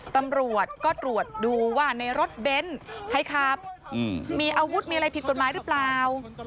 ตำรวจก็ตรวจดูว่าในรถเบ้นใครขับมีอาวุธมีอะไรผิดกฎหมายหรือเปล่า